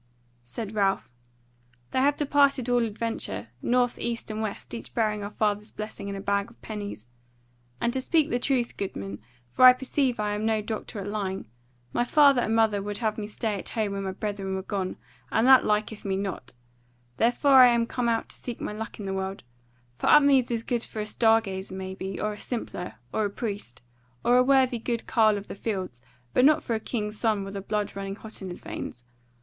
Said Ralph: "They have departed at all adventure, north, east, and west, each bearing our father's blessing and a bag of pennies. And to speak the truth, goodman, for I perceive I am no doctor at lying, my father and mother would have me stay at home when my brethren were gone, and that liketh me not; therefore am I come out to seek my luck in the world: for Upmeads is good for a star gazer, maybe, or a simpler, or a priest, or a worthy good carle of the fields, but not for a king's son with the blood running hot in his veins.